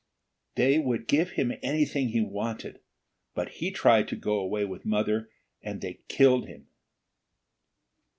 "They would give him anything he wanted. But he tried to go away with mother, and they killed him."